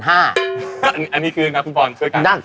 อันนี้คือนักฟุตบอลช่วยกัน